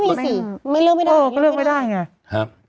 ไม่มีสิไม่เลือกไม่ได้